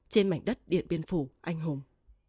trên mảnh đất điện biên phủ anh hùng